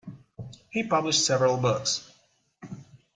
He published several books.